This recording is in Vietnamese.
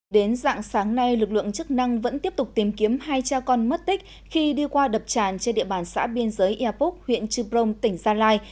đến dạng sáng nay lực lượng chức năng vẫn tiếp tục tìm kiếm hai cha con mất tích khi đi qua đập tràn trên địa bàn xã biên giới epoc huyện chư prong tỉnh gia lai